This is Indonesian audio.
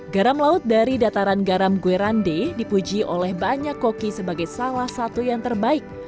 garam laut dari dataran garam guerande dipuji oleh banyak koki sebagai salah satu yang terbaik